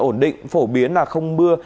ổn định phổ biến là không mưa